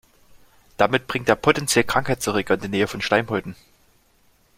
Damit bringt er potenziell Krankheitserreger in die Nähe von Schleimhäuten.